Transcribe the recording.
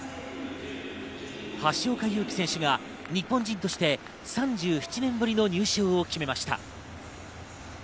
橋岡優輝選手が日本人として３７年ぶりの入賞を決めました。